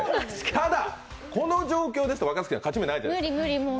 ただこの状況ですと若槻さん勝ち目ないじゃないですか。